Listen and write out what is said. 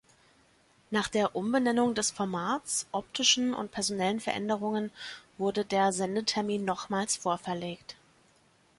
Nach der Umbenennung des Formats, optischen und personellen Veränderungen wurde der Sendetermin nochmals vorverlegt.